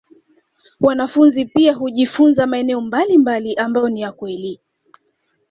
Wanafunzi pia hujifunza maeneo mbalimbali ambayo ni ya kweli